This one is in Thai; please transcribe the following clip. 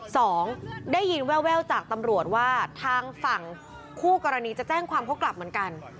สองได้ยินแววจากตำรวจว่าทางฝั่งคู่กรณีจะแจ้งความเขากลับเหมือนกัน